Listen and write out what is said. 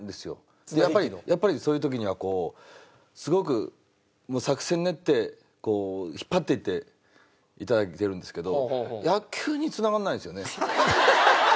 やっぱりそういう時にはこうすごく作戦を練ってこう引っ張っていって頂いてるんですけど野球に繋がらないんですよね。